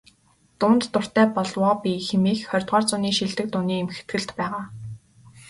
"Дуунд дуртай болов оо би" хэмээх ХХ зууны шилдэг дууны эмхэтгэлд байгаа.